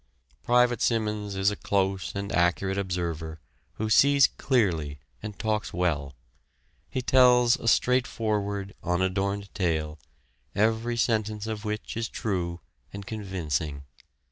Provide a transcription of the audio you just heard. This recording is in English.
Private Simmons is a close and accurate observer who sees clearly and talks well. He tells a straightforward, unadorned tale, every sentence of which is true, and convincing.